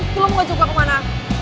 lo mau jauh kemana